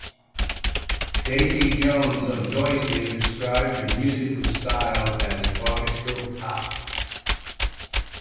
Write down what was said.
Daisy Jones of Noisey described her musical style as orchestral pop.